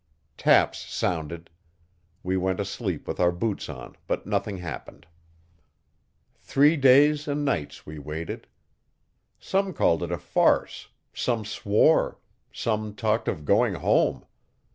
Taps sounded. We went asleep with our boots on, but nothing happened. Three days and nights we waited. Some called it a farce, some swore, some talked of going home.